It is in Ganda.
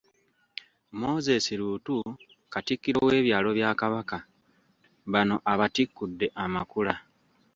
Moses Luutu Katikkiro w’ebyalo bya Kabaka, bano abatikkudde Amakula.